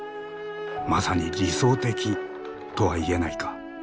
まさに理想的とは言えないか。